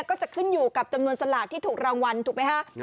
ก็จะขึ้นอยู่กับจำนวนสลากที่ถูกรางวัลถูกไหมคะ